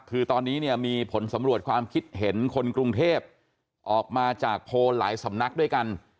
คือตอนนี้เนี่ยมีผลสำรวจความคิดเห็นคนกรุงเทพออกมาจากโพลหลายสำนักด้วยกัน